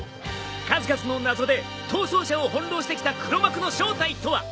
数々の謎で逃走者を翻弄してきた黒幕の正体とは？